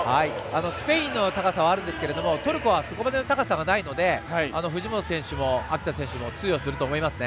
スペインの高さはありますがトルコはそこまで高さがないので藤本選手も秋田選手も通用すると思いますね。